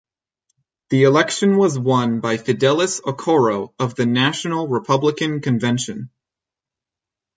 The election was won by Fidelis Okoro of the National Republican Convention.